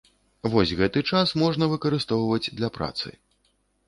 Вось гэты час можна выкарыстоўваць для працы.